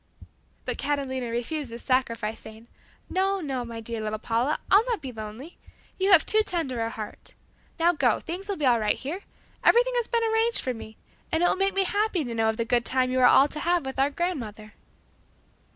But Catalina refused this sacrifice, saying, "No, no, my dear little Paula. I'll not be lonely. You have too tender a heart. Now go, things will be all right here. Everything has been arranged for me, and it will make me happy to know of the good time you are all to have with our grandmother."